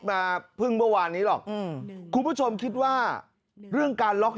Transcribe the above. รางวัลที่หนึ่งงวดวันที่๑๖ตุลาคม๒๕๖๕โอ้โหคุณผู้ชมก่อนจะคุยเรื่องนี้